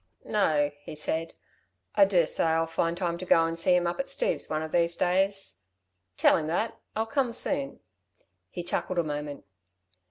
"No," he said, "I dursay I'll find time to go and see him up at Steve's one of these days. Tell him that ... I'll come soon." He chuckled a moment.